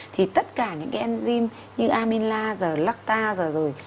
thì tất cả những cái enzyme như aminla lactase rồi